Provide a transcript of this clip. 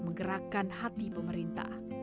menggerakkan hati pemerintah